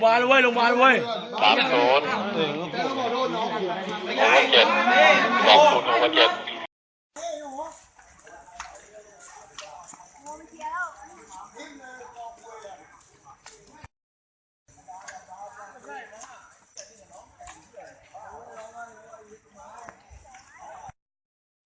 ก๊อกกรดเย็นครอบครอบคร้าบเผ็ด